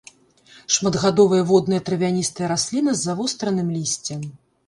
Шматгадовая водная травяністая расліна з завостранымі лісцем.